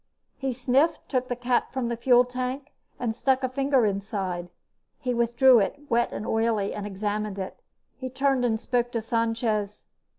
He sniffed, took the cap from the fuel tank and stuck a finger inside. He withdrew it, wet and oily, and examined it. He turned and spoke to Sanchez.